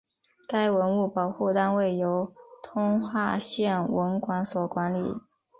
该文物保护单位由通化县文管所管理。